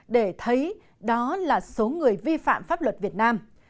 để thấy đó là số người vi phạm pháp luật việt nam